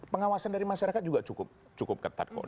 pengawasan dari masyarakat juga cukup ketat kok